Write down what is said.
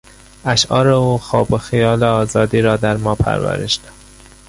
اشعار او خواب و خیال آزادی را در ما پرورش داد.